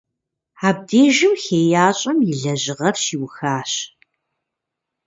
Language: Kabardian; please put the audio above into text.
Абдежым хеящӀэм и лэжьыгъэр щиухащ.